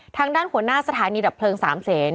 ทางด้านหัวหน้าสถานีดับเพลิงสามเซน